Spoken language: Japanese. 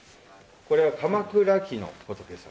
これは鎌倉期の仏様です。